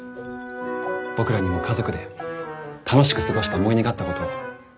僕らにも家族で楽しく過ごした思い出があったことを。